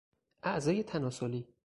اعضای تناسلی